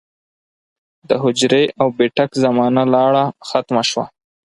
د حجرې او بېټک زمانه لاړه ختمه شوه